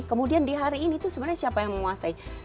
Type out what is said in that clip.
kemudian di hari ini itu sebenarnya siapa yang menguasai